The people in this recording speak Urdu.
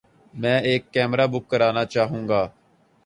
میں ایک کمرہ بک کرانا چاحو گا